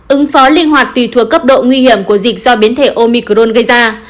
ứng phó linh hoạt tùy thuộc cấp độ nguy hiểm của dịch do biến thể omicron gây ra